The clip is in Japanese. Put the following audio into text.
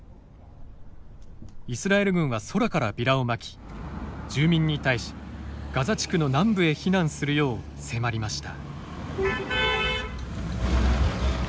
イスラエル軍は空からビラをまき住民に対しガザ地区の南部へ避難するよう迫りました。